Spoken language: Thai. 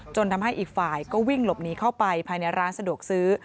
ทำให้อีกฝ่ายก็วิ่งหลบหนีเข้าไปภายในร้านสะดวกซื้อ